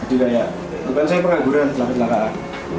jadi kayak bukan saya pengaguran selangkah selangkah